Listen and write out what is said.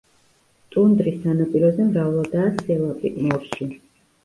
ტუნდრის სანაპიროზე მრავლადაა სელაპი, მორჟი.